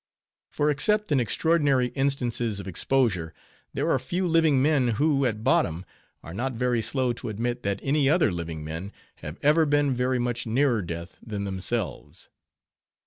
For except in extraordinary instances of exposure, there are few living men, who, at bottom, are not very slow to admit that any other living men have ever been very much nearer death than themselves.